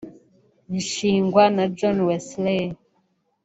rishingwa na John Wesley